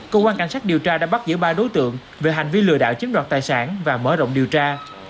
công an cảnh sát điều tra đã bắt giữa ba đối tượng về hành vi lừa đạo chiếm đoạt tài sản và mở rộng điều tra